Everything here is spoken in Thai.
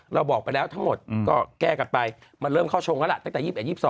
เราบอกไปแล้วทั้งหมดก็แก้กันไปมาเริ่มเข้าชมกันละตั้งแต่๒๐๒๑๒๐๒๒